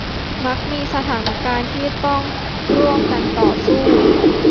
มักมีสถานการณ์ที่ต้องร่วมกันต่อสู้